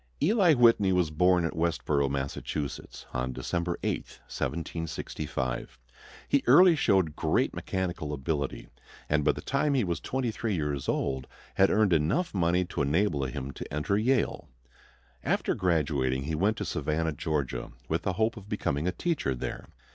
Eli Whitney was born at Westborough, Massachusetts, on December 8, 1765. He early showed great mechanical ability, and by the time he was twenty three years old had earned enough money to enable him to enter Yale. After graduating he went to Savannah, Georgia, with the hope of becoming a teacher there.